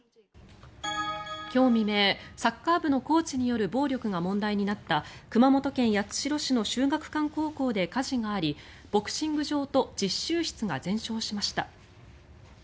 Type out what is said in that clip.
今日未明、サッカー部のコーチによる暴力が問題になった熊本県八代市の秀岳館高校で火事がありボクシング場と実習室が全焼しました。